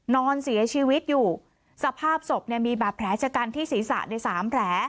นอนเสียชีวิตอยู่สภาพศพเนี่ยมีบาดแผลชะกันที่ศีรษะในสามแผล